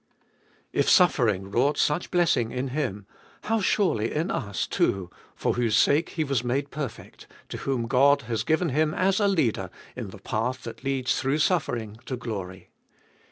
If suffering wrought such blessing in Him, how surely in us too, for whose sake He was made perfect, to whom God has given Him as a Leader in the path that leads through suffering to glory.